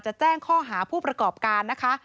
จะแจ้งข้อหาผู้ประกอบการนะคะ